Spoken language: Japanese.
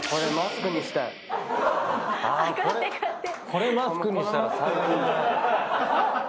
これマスクにしたら最高だね。